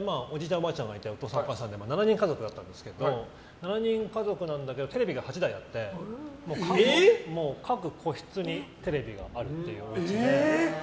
おばあちゃんがいてお父さん、お母さんいて７人家族だったんですけど７人家族でテレビが８台あって各個室にテレビがある家で。